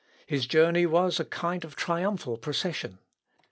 His journey was a kind of triumphal procession.